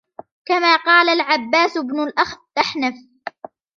كَمَا قَالَ الْعَبَّاسُ بْنُ الْأَحْنَفِ